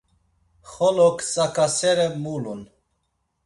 Xolo ksakasere, mulun.